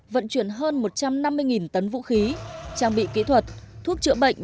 vận chuyển hơn một trăm năm mươi tấn vũ khí trang bị kỹ thuật thuốc chữa bệnh